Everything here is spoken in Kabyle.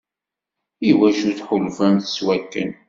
Iwacu tḥulfamt s wakken?